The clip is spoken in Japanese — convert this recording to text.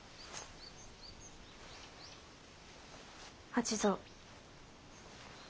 八蔵。